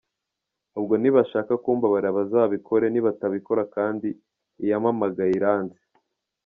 Ubwo nibashaka kumbabarira bazabikore, nibatabikora kandi iyampamagaye iranzi.